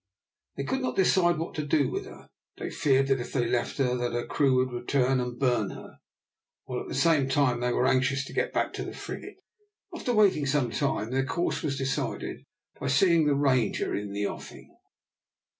They could not decide what to do with her. They feared if they left her that her crew would return and burn her, while at the same time they were anxious to get back to the frigate. After waiting some time their course was decided by seeing the Ranger in the offing.